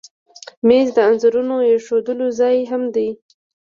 مېز د انځورونو ایښودلو ځای هم دی.